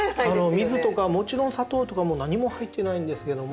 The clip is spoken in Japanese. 水とかもちろん砂糖とかも何も入ってないんですけども。